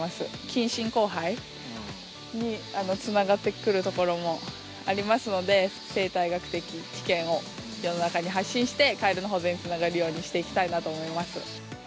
近親交配につながってくるところもありますので、生態学的知見を世の中に発信して、カエルの保全につながるようにしていきたいなと思います。